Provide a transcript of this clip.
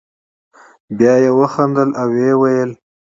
بیا یې وخندل او ویې ویل.